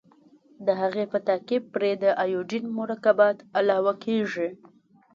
د هغې په تعقیب پرې د ایوډین مرکبات علاوه کیږي.